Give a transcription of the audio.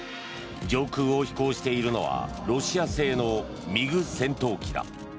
上空を飛行しているのはロシア製のＭｉＧ戦闘機だ。